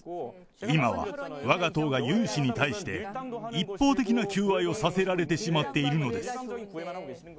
今はわが党がユン氏に対して、一方的な求愛をさせられてしまっているのです。